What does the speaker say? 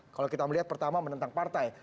kalau kita melihat pertama menentang partai